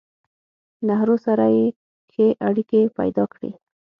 نهرو سره يې ښې اړيکې پېدا کړې